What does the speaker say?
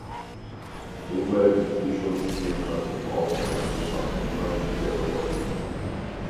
Umwelt- und Tierschutz spielen beim Verbraucher in Europa eine immer wichtigere Rolle.